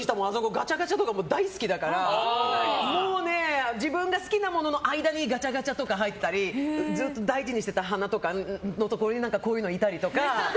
ガチャガチャとか好きだからもうね、自分が好きなものの間にガチャガチャとか入ったりずっと大事にしてた花とかのところにこういうのがいたりとか。